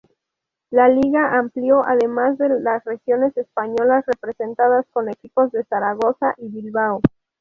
La liga amplió además las regiones españolas representadas, con equipos de Zaragoza y Bilbao.